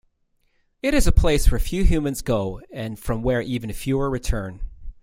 It is a place where few humans go and from where even fewer return.